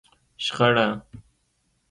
شخړه